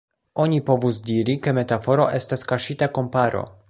Oni povus diri, ke metaforo estas kaŝita komparo.